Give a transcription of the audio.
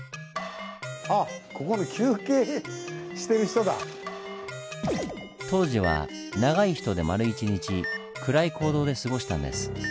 あっここで当時は長い人で丸一日暗い坑道で過ごしたんです。